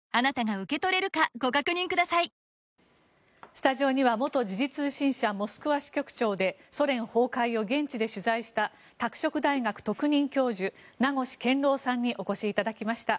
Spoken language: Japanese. スタジオには元時事通信社モスクワ支局長でソ連崩壊を現地で取材した拓殖大学特任教授名越健郎さんにお越しいただきました。